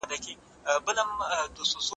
هغه وویل چې کلتور د ملت روحیه ده.